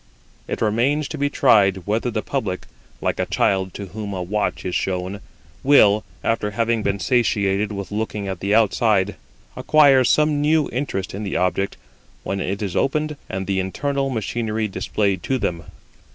It remains to be tried whether the public (like a child to whom a watch is shown) will, after having been satiated with looking at the outside, acquire some new interest in the object when it is opened and the internal machinery displayed to them.